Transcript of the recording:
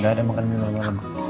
gak ada makan mie malam malam